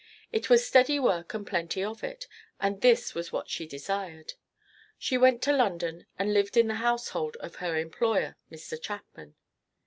It was steady work and plenty of it, and this was what she desired. She went to London and lived in the household of her employer, Mr. Chapman.